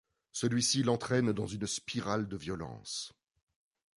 Celui-ci l'entraîne dans une spirale de violences.